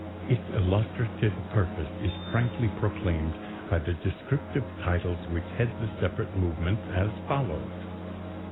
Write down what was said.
Its illustrative purpose is frankly proclaimed by the descriptive titles which head the separate movements as follows: 1.